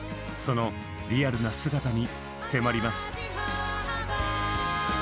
そのリアルな姿に迫ります。